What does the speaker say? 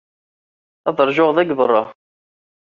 Ad ṛjuɣ da, deg beṛṛa.